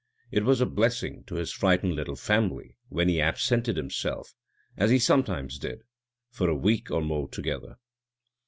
It was a blessing to his frightened little family when he absented himself, as he sometimes did, for a week or more together.